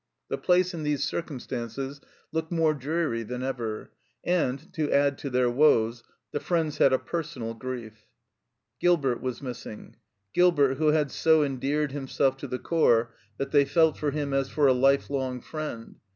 The place in these circumstances looked more dreary than ever, and, to add to their woes, the friends had a personal grief. Gilbert was missing Gilbert, who had so en deared himself to the corps that they felt for him as for a lifelong friend.